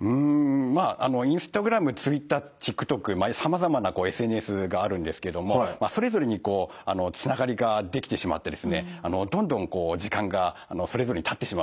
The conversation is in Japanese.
うんまあＩｎｓｔａｇｒａｍＴｗｉｔｔｅｒＴｉｋＴｏｋさまざまなＳＮＳがあるんですけどもそれぞれにつながりができてしまってですねどんどん時間がそれぞれにたってしまうんですね。